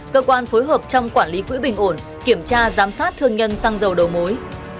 cơ quan phối hợp trong quản lý quỹ bình ổn kiểm tra giám sát thương nhân xăng dầu đầu mối